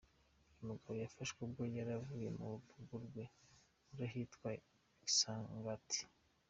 Uyu mugabo yafashwe ubwo yari avuye mu mu rugo rwe ruri ahitwa i Kasangati.